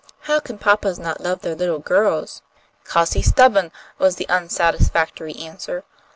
"How can papas not love their little girls?" "'Cause he's stubbo'n," was the unsatisfactory answer.